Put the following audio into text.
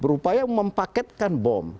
berupaya mempaketkan bom